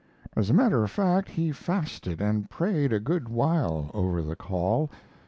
As a matter of fact, he fasted and prayed a good while over the "call."